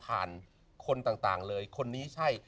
คนต่างเลยคนนี้ใช่